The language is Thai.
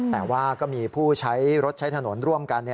แต่ว่าก็มีผู้ใช้รถใช้ถนนร่วมกัน